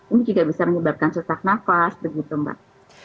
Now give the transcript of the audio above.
ini juga bisa menyebabkan susah nafas dan lain sebagainya